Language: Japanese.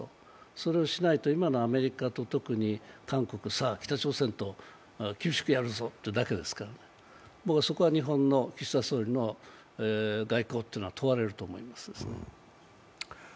それをしないと今のアメリカと特に韓国、北朝鮮と厳しくやるぞというだけですから、そこは日本の岸田総理の外交が問われると思います。